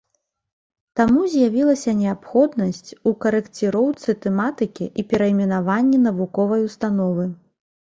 Таму з'явілася неабходнасць у карэкціроўцы тэматыкі і перайменаванні навуковай установы.